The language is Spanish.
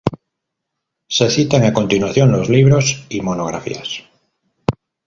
Se citan a continuación los libros y monografías.